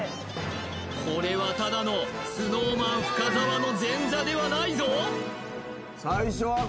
これはただのＳｎｏｗＭａｎ深澤の前座ではないぞ